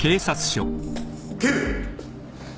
・警部。